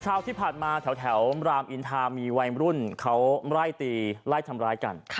เช้าที่ผ่านมาแถวรามอินทามีวัยรุ่นเขาไล่ตีไล่ทำร้ายกัน